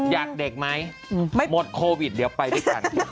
เด็กไหมหมดโควิดเดี๋ยวไปด้วยกัน